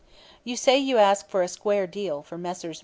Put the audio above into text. You say you ask for a "square deal" for Messrs.